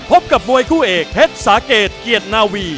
พบกับมวยคู่เอกเพชรสาเกตเกียรตินาวี